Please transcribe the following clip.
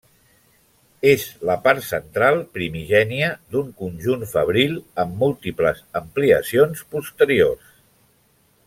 És la part central primigènia d'un conjunt fabril amb múltiples ampliacions posteriors.